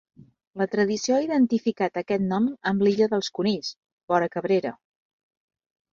La tradició ha identificat aquest nom amb l'illa dels Conills, vora Cabrera.